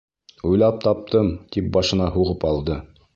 Уйлап таптым, тип башына һуғып алды!